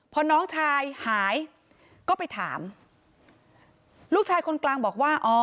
พอน้องชายหายก็ไปถามลูกชายคนกลางบอกว่าอ๋อ